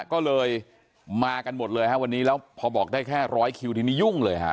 ก็เลยมากันหมดเลยฮะวันนี้แล้วพอบอกได้แค่ร้อยคิวทีนี้ยุ่งเลยฮะ